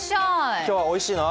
今日はおいしいのある？